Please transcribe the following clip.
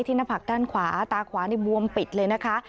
หน้าผักด้านขวาตาขวานี่บวมปิดเลยนะคะ